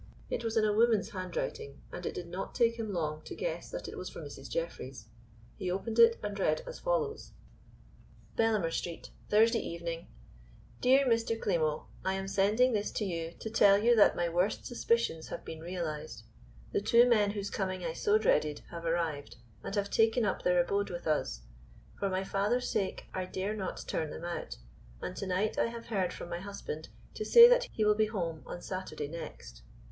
It was in a woman's handwriting, and it did not take him long to guess that it was from Mrs. Jeffreys. He opened it and read as follows: "Bellamer Street, "Thursday Evening. "DEAR MR. KLIMO, "I am sending this to you to tell you that my worst suspicions have been realized. The two men whose coming I so dreaded, have arrived, and have taken up their abode with us. For my father's sake I dare not turn them out, and to night I have heard from my husband to say that he will be home on Saturday next.